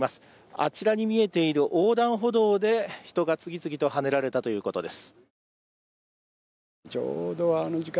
あちらに見えている横断歩道で人が次々とはねられたということです。